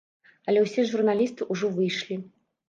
Але ўсе журналісты ўжо выйшлі.